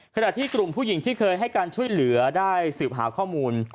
ขณะที่กลุ่มผู้หญิงที่เคยให้การช่วยเหลือได้สืบหาข้อมูล